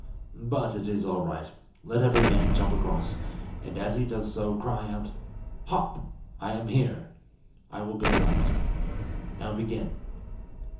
But it is all right. Let every man jump across, and as he does so cry out 'Hop! I am here.' I will go last. Now begin."